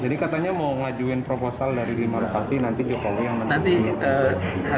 jadi katanya mau ngajuin proposal dari lima lokasi nanti jokowi yang menentukan